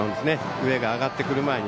上が上がってくる前に。